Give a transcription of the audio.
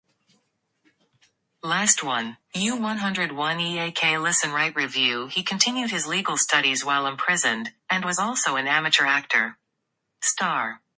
He continued his legal studies while imprisoned, and was also an amateur actor.